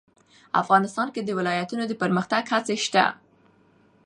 افغانستان کې د ولایتونو د پرمختګ هڅې شته.